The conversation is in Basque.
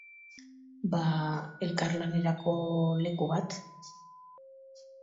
Ba elkarlanerako leku bat.